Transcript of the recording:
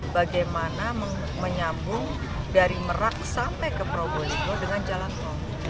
bagaimana menyambung dari merak sampai ke probolinggo dengan jalan tol